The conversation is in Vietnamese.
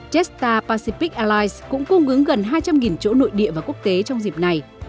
jet star pacific allies cũng cung ứng gần hai trăm linh chỗ nội địa và quốc tế trong dịp này